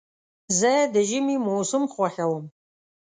زه د ژمي موسم خوښوم.